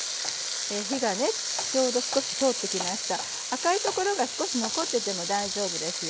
赤いところが少し残ってても大丈夫ですよ。